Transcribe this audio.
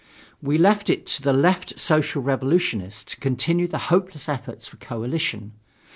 We left it to the Left Social Revolutionists to continue the hopeless efforts for coalition.